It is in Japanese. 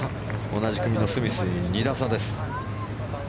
同じ組のスミスに２打差です。